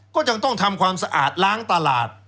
ก็ยังต้องทำความสะอาดล้างตลาด